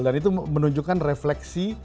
dan itu menunjukkan refleksi